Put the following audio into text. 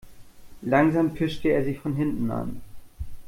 Langsam pirschte er sich von hinten an.